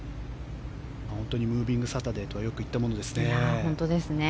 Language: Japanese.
ムービングサタデーとはよく言ったものですね。